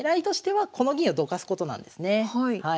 はい。